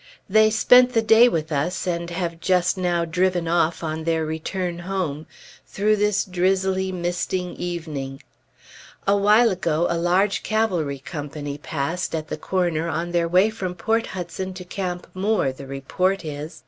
They spent the day with us, and have just now driven off on their return home, through this drizzly, misting evening. A while ago a large cavalry company passed, at the corner, on their way from Port Hudson to Camp Moore, the report is.